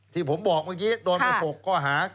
ที่ผมบอกเมื่อกี้โดนไป๖ข้อหา